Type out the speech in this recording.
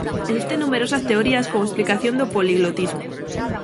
Existen numerosas teorías como explicación do poliglotismo.